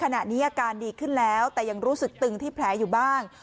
ขณะนี้อาการดีขึ้นแล้วแต่ยังรู้สึกตึงที่แผลอยู่บ้าง